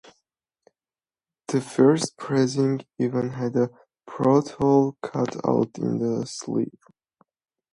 The first pressing even had a porthole cut out in the sleeve.